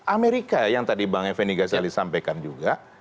amerika yang tadi bang effendi ghazali sampaikan juga